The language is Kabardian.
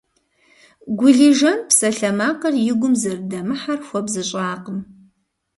Гулижан псалъэмакъыр и гум зэрыдэмыхьэр хуэбзыщӀакъым.